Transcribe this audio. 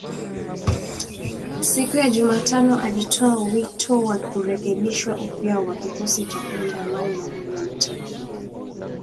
Siku ya Jumatano alitoa wito wa kurekebishwa upya kwa kikosi cha kulinda amani cha Umoja wa Mataifa ili kuwalinda raia dhidi ya unyanyasaji kutoka pande zote katika mzozo